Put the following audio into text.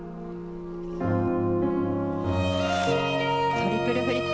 トリプルフリップ。